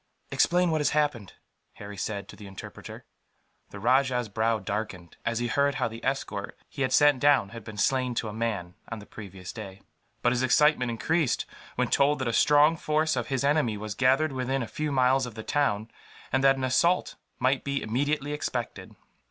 "Explain what has happened," Harry said, to the interpreter. The rajah's brow darkened, as he heard how the escort he had sent down had been slain, to a man, on the previous day. But his excitement increased, when told that a strong force of his enemy was gathered within a few miles of the town; and that an assault might be immediately expected.